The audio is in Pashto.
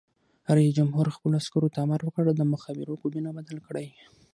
رئیس جمهور خپلو عسکرو ته امر وکړ؛ د مخابرو کوډونه بدل کړئ!